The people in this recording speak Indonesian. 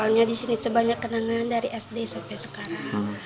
soalnya di sini itu banyak kenangan dari sd sampai sekarang